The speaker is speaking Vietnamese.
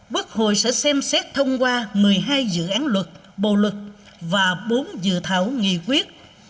quốc hội sẽ xem xét thông qua một mươi hai dự án luật bầu luật và bốn dự thảo nghị quyết